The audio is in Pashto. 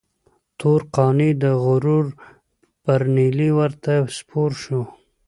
تور قانع د غرور پر نيلي ورته سپور شو.